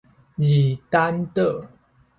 二膽島